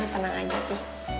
tenang aja pih aman